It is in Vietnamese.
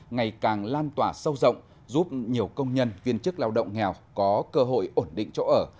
ngày càng lan tỏa sâu rộng giúp nhiều công nhân viên chức lao động nghèo có cơ hội ổn định chỗ ở